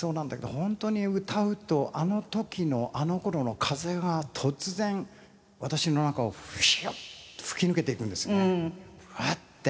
本当に歌うとあの時のあの頃の風が突然私の中をシュッ！って吹き抜けていくんですねふわって。